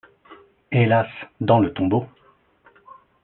Hélas ! dans le tombeau !